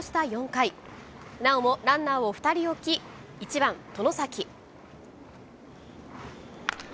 ４回、なおもランナーを２人置き、１番外崎。